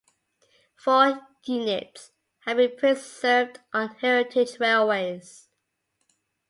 Four units, have been preserved on heritage railways.